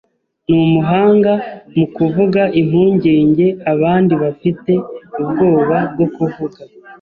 Ni umuhanga mu kuvuga impungenge abandi bafite ubwoba bwo kuvuga.